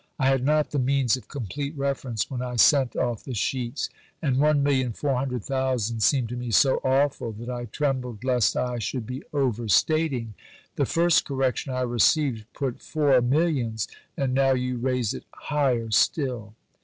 I had not the means of complete reference when I sent off the sheets, and 1,400,000 seemed to me so awful that I trembled lest I should be over stating. The first correction I received put four millions and now you raise it higher still.